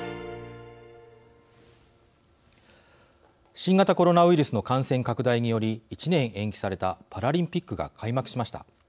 新型コロナウイルスの感染拡大により１年延期されたパラリンピックが開幕しました。